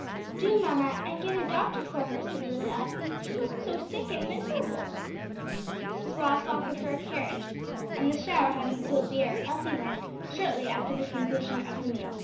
"Do, mamma, and get a doctor for her," said little Elsie; "she looked so sick and miserable." Mrs. Ross offered her carriage, and the shower having cooled the air, Elsie went, shortly after the conclusion of the meal.